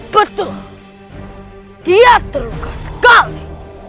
betul dia terluka sekali